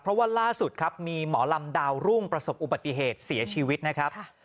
เพราะว่าล่าสุดครับมีหมอลำดาวรุ่งประสบอุบัติเหตุเสียชีวิตนะครับ